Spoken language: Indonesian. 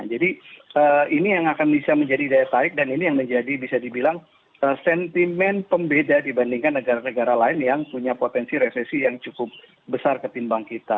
jadi ini yang akan bisa menjadi daya tarik dan ini yang menjadi bisa dibilang sentimen pembeda dibandingkan negara negara lain yang punya potensi resesi yang cukup besar ketimbang kita